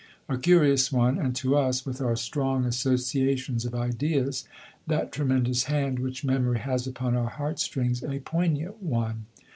A curious one, and to us, with our strong associations of ideas, that tremendous hand which memory has upon our heart strings, a poignant one.